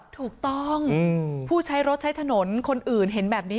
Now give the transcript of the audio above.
ถูกต้องผู้ใช้รถใช้ถนนคนอื่นเห็นแบบนี้